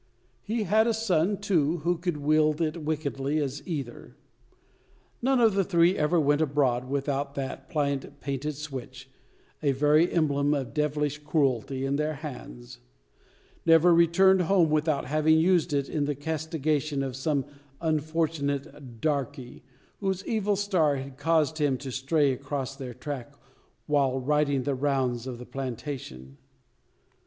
He had a son, too, who could wield it wickedly as either. None of the three ever went abroad without that pliant, painted, switch a very emblem of devilish cruelty in their hands; never returned home, without having used it in the castigation of some unfortunate "darkey," whose evil star had caused him to stray across their track, while riding the rounds of the plantation.